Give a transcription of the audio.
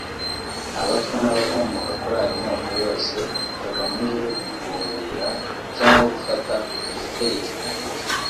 abatwa n’abakomoka kuri ayo moko yose kagamije kugundira cyangwa gufata ubutegetsi ku ngufu